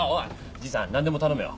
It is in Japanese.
じいさん何でも頼めよ。